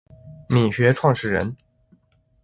黾学创始人。